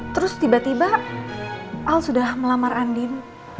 terus tiba tiba al sudah melamar andin